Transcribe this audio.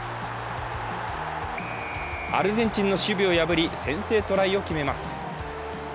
アルゼンチンの守備を破り先制トライを決めます。